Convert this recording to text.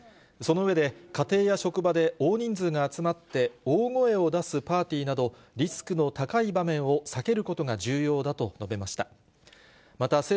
その上で、家庭や職場で大人数で集まって大声を出すパーティーなど、リスクの高い場面を避けることが重要だと述べました。